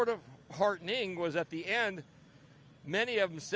tapi hal yang agak mengerikan adalah pada akhirnya